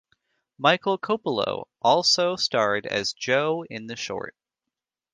Michael Kopelow also starred as Joe in the short.